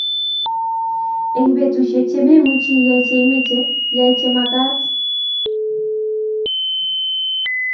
eng' betusiwk che memuchi iyai che imeche yai che mekat